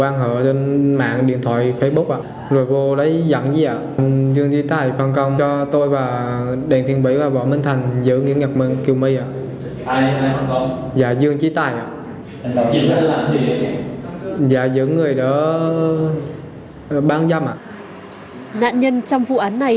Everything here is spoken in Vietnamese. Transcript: nạn nhân trong vụ án này